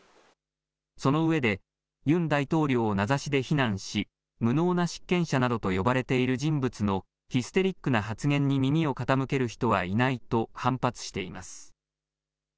その上で、ユン大統領を名指しで非難し、無能な執権者などと呼ばれている人物のヒステリックな発言に耳を傾ける人はいないと反発しています。